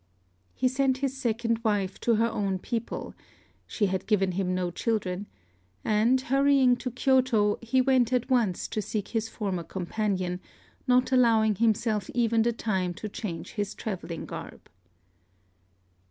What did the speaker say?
He sent his second wife to her own people (she had given him no children); and hurrying to Kyôto, he went at once to seek his former companion, not allowing himself even the time to change his travelling garb.